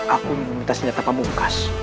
aku meminta senjata pamungkas